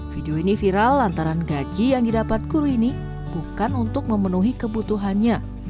video ini viral lantaran gaji yang didapat guru ini bukan untuk memenuhi kebutuhannya